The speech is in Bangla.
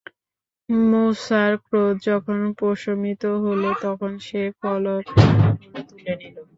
মূসার ক্রোধ যখন প্রশমিত হলো তখন সে ফলকগুলো তুলে নিল।